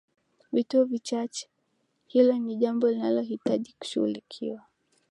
vituo vichache Hilo ni jambo linalohitaji kushughulikiwa